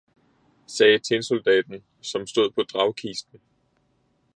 sagde tinsoldaten, som stod på dragkisten.